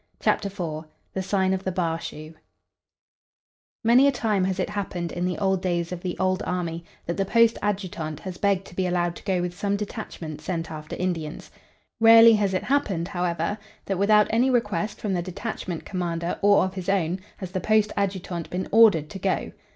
CHAPTER IV THE SIGN OF THE BAR SHOE Many a time has it happened in the old days of the old army that the post adjutant has begged to be allowed to go with some detachment sent after Indians. Rarely has it happened, however, that, without any request from the detachment commander or of his own, has the post adjutant been ordered to go.